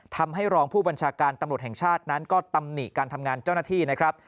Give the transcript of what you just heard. ทำให้รองผู้บัญชาการตำรวจแห่งชาตินั้นก็ตำหนิการทำงานเจ้าหน้าที่นะครับ